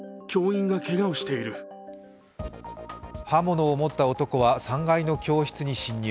刃物を持った男は３階の教室に侵入。